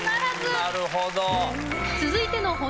続いての。